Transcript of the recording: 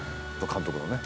監督のね